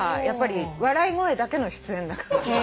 やっぱり笑い声だけの出演だから。